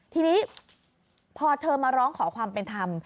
ทีนี้พอเธอมาร้องขอความเป็นธรรม